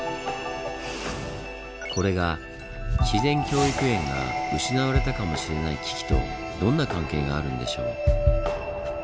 これが自然教育園が失われたかもしれない危機とどんな関係があるんでしょう？